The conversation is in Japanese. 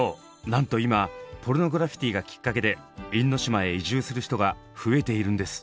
なんと今ポルノグラフィティがきっかけで因島へ移住する人が増えているんです。